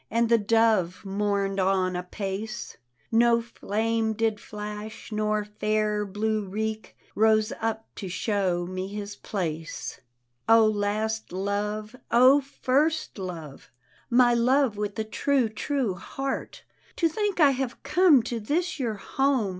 And the dove mourn'd on apace; No flame did flash, nor fair blue reek Rose up to show me his place. O last love! O first love! My love with the true, true heart, To think I have come to this youi home.